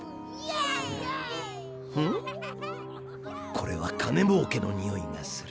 これは金もうけのにおいがする。